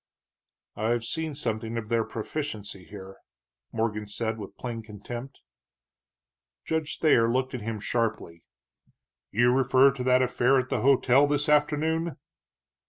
"I've seen something of their proficiency here," Morgan said, with plain contempt. Judge Thayer looked at him sharply. "You refer to that affair at the hotel this afternoon?"